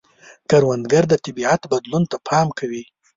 کروندګر د طبیعت بدلون ته پام کوي